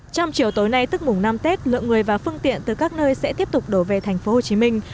trong chiều tối nay tức mùng năm tết lượng người và phương tiện từ các nơi sẽ tiếp tục đổ về thành phố hồ chí minh